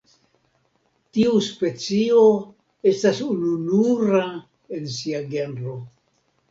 Tiu specio estas ununura en sia genro.